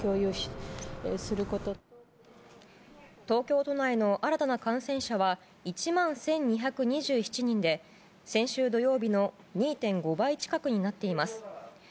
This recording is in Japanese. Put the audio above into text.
東京都内の新たな感染者は１万１２２７人で先週土曜日の２．５倍近くになっています。